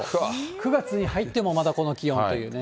９月に入ってもまだこの気温というね。